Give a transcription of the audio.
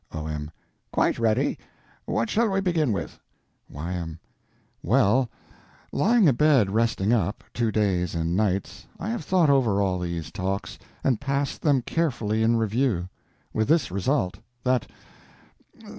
O.M. Quite ready. What shall we begin with? Y.M. Well, lying abed resting up, two days and nights, I have thought over all these talks, and passed them carefully in review. With this result: that...